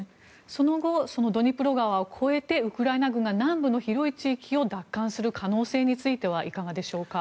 その後、ドニプロ川を越えてウクライナ軍が南部の広い地域を奪還する可能性についてはいかがでしょうか？